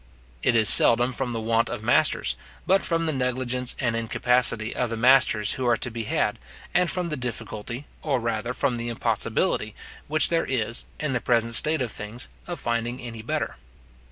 It is seldom from the want of masters, but from the negligence and incapacity of the masters who are to be had, and from the difficulty, or rather from the impossibility, which there is, in the present state of things, of finding any better.